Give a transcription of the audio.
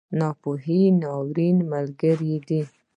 ناپوهي، ناوړه ملګری دی.